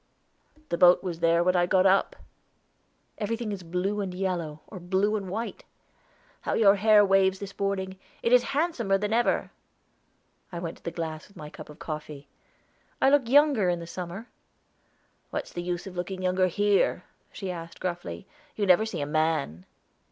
"The boat was there when I got up." "Everything is blue and yellow, or blue and white." "How your hair waves this morning! It is handsomer than ever." I went to the glass with my cup of coffee. "I look younger in the summer." "What's the use of looking younger here?" she asked gruffly. "You never see a man."